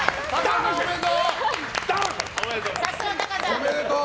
おめでとう！